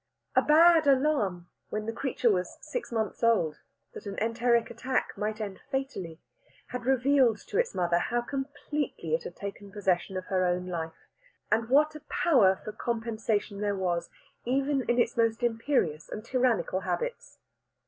A bad alarm, when the creature was six months old, that an enteric attack might end fatally, had revealed to its mother how completely it had taken possession of her own life, and what a power for compensation there was even in its most imperious and tyrannical habits.